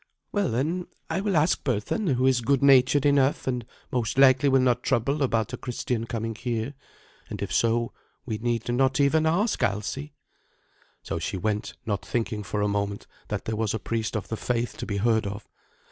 Well, then, I will ask Berthun, who is good natured enough, and most likely will not trouble about a Christian coming here; and if so, we need not even ask Alsi." So she went, not thinking for a moment that there was a priest of the faith to be heard of.